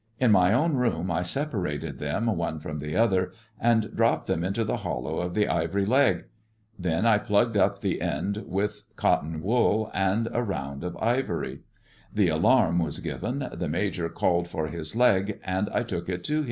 In my own room I separated them one from the other, and dropped them into the hollow of the ivory leg. Then I plugged up THE IVORY LEQ AND THE DIAMONDS 361 I end with cotton wool and a round of ivory. The alarm s given, the Major called for his leg, and I took it to 1.